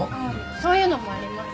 そういうのもあります。